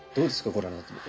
ご覧になってみて。